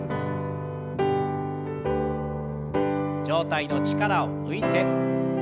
上体の力を抜いて。